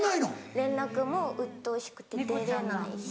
連絡もうっとうしくて出れないし。